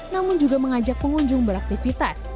namun juga mengajak pengunjung beraktivitas